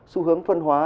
xu hướng phân hóa